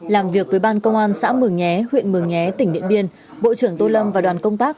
làm việc với ban công an xã mường nhé huyện mường nhé tỉnh điện biên bộ trưởng tô lâm và đoàn công tác